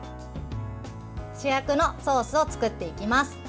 主役のソースを作っていきます。